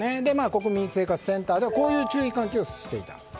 国民生活センターではこういう注意喚起をしていた。